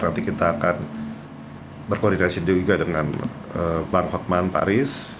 nanti kita akan berkoordinasi juga dengan bang hotman paris